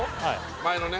前のね